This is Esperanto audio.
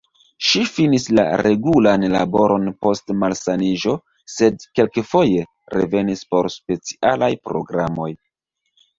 Ŝi finis la regulan laboron post malsaniĝo sed kelkfoje revenis por specialaj programoj.